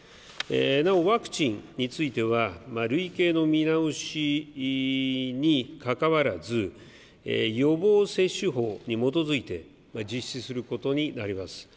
なお、ワクチンについては類型の見直しにかかわらず予防接種法に基づいて実施することになります。